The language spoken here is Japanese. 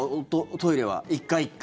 トイレは１回１回。